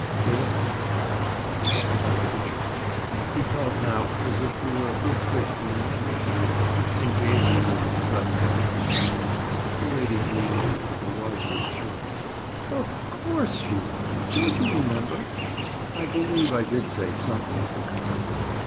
"Did I?" Bob caught himself up with a jerk. He felt now as if he were a big fish being angled for, and gazed at her with sudden apprehension. The lady's, mien however, was reassuring. "Of course," she laughed. "Don't you remember?" "I believe I did say something of the kind."